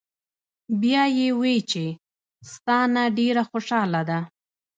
" بیا ئې وې چې " ستا نه ډېره خوشاله ده